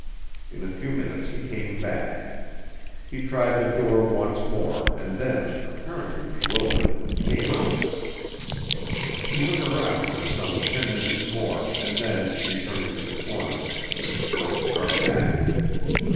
In a few minutes he came back. He tried the door once more and then, apparently bewildered, came out. He hung around for some ten minutes more, and then, returning to the corner, took the first car back.